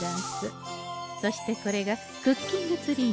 そしてこれがクッキングツリーの種。